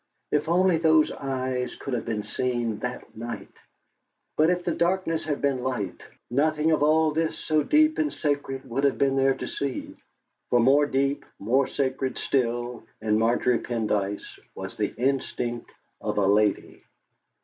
If only those eyes could have been seen that night! But if the darkness had been light, nothing of all this so deep and sacred would have been there to see, for more deep, more sacred still, in Margery Pendyce, was the instinct of a lady.